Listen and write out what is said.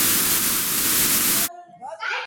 ბრძოლა ფრანგი ოკუპანტების წინააღმდეგ გრძელდებოდა.